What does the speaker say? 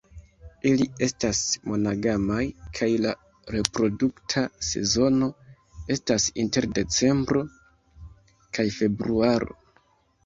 Ili estas monogamaj kaj la reprodukta sezono estas inter decembro kaj februaro.